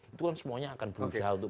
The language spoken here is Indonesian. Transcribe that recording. itu kan semuanya akan berusaha untuk